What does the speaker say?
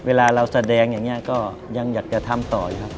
เวลาเราแสดงอย่างนี้ก็ยังอยากจะทำต่ออยู่ครับ